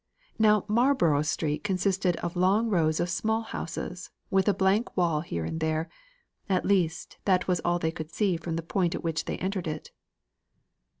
Now Marlborough Street consisted of long rows of small houses, with a blank wall here and there; at least that was all they could see from the point at which they entered it.